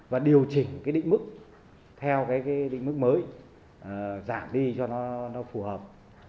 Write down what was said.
và điều chỉnh cái định mức theo cái định mức mới giảm đi cho nó phù hợp